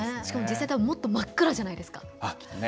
しかも実際、たぶんもっと真っ暗じゃないですか。